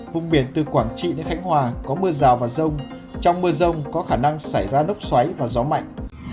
vùng biển từ quảng trị đến khánh hòa có mưa rào và rông trong mưa rông có khả năng xảy ra lốc xoáy và gió mạnh